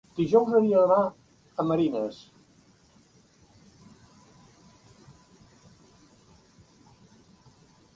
Dijous hauria d'anar a Marines.